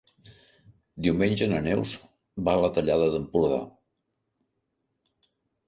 Diumenge na Neus va a la Tallada d'Empordà.